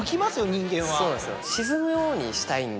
人間は。